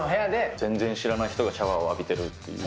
全然知らない人がシャワーを浴びてるっていう。